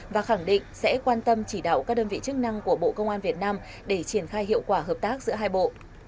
và khẳng định sẽ quan tâm chỉ đạo các đơn vị chức năng của bộ công an việt nam để triển khai hiệu quả hợp tác giữa hai bộ